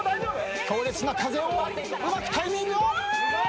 強烈な風をうまくタイミングを。